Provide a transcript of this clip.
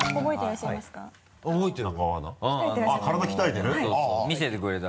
体鍛えてる？